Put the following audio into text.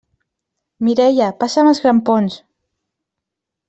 Mireia, passa'm els grampons!